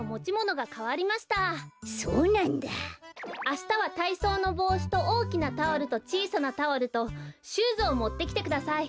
あしたはたいそうのぼうしとおおきなタオルとちいさなタオルとシューズをもってきてください。